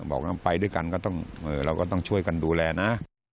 บอกว่าไปด้วยกันก็ต้องเราก็ต้องช่วยกันดูแลนะ